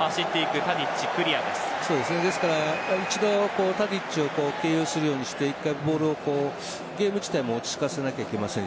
一度タディッチを経由するようにしてボールをゲーム自体も落ち着かせなければいけません。